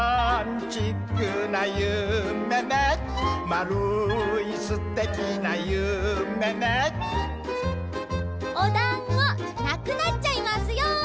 おだんごなくなっちゃいますよ。